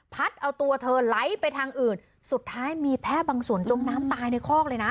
เอาตัวเธอไหลไปทางอื่นสุดท้ายมีแพทย์บางส่วนจมน้ำตายในคอกเลยนะ